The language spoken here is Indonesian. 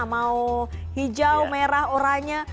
mau hijau merah oranye